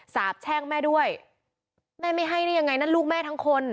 สาบแช่งแม่ด้วยแม่ไม่ให้ได้ยังไงนั่นลูกแม่ทั้งคน